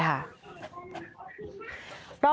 จนตำรวจเขาเข้ามาจับคาร้านเลยค่ะ